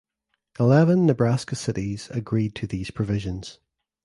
Eleven Nebraska cities agreed to these provisions.